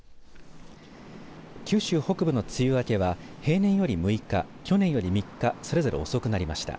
九州北部の梅雨明けは平年より６日、去年より３日それぞれ遅くなりました。